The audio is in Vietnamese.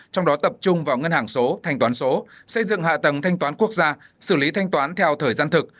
trong đó tập trung vào ngân hàng số thanh toán số xây dựng hạ tầng thanh toán quốc gia xử lý thanh toán theo thời gian thực